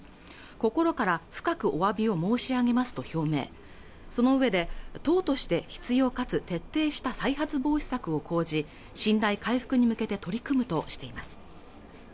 心から深くお詫びを申し上げますと表明その上で党として必要かつ徹底した再発防止策を講じ信頼回復に向けて取り組むとしています